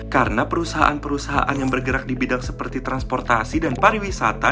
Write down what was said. karena perusahaan perusahaan yang bergerak di bidang seperti transportasi dan pariwisata